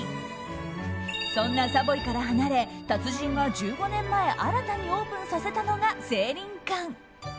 そんなＳＡＶＯＹから離れ達人が１５年前新たにオープンさせたのが聖林館。